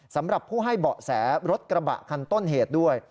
สำหรับผู้ให้เบาะแสรถกระบะคันต้นเหตุด้วย